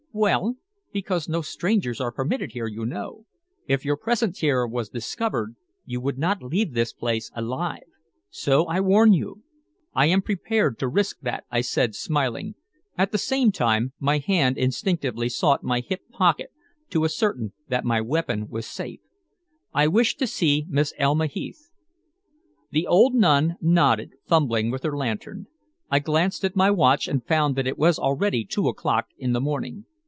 "Well because no strangers are permitted here, you know. If your presence here was discovered you would not leave this place alive so I warn you." "I am prepared to risk that," I said, smiling; at the same time my hand instinctively sought my hip pocket to ascertain that my weapon was safe. "I wish to see Miss Elma Heath." The old nun nodded, fumbling with her lantern. I glanced at my watch and found that it was already two o'clock in the morning.